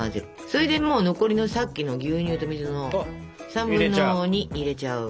それでもう残りのさっきの牛乳と水の３分の２入れちゃう。